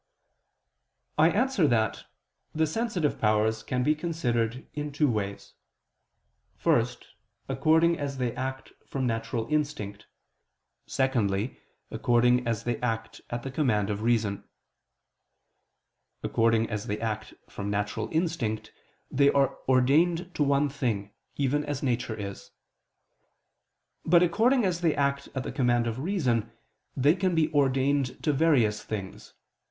I answer that, The sensitive powers can be considered in two ways: first, according as they act from natural instinct: secondly, according as they act at the command of reason. According as they act from natural instinct, they are ordained to one thing, even as nature is; but according as they act at the command of reason, they can be ordained to various things.